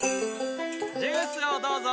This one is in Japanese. ジュースをどうぞ。